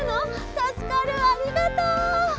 たすかるありがとう！